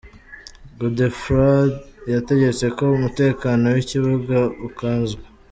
Godefroid yategetse ko umutekano w’ikibuga ukazwa.